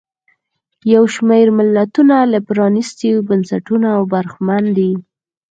یو شمېر ملتونه له پرانیستو بنسټونو برخمن دي.